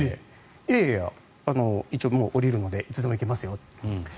いやいや、一応下りるのでいつでも行けますよと。